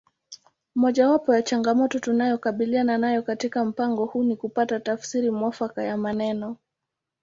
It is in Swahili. Mojawapo ya changamoto tunayokabiliana nayo katika mpango huu ni kupata tafsiri mwafaka ya maneno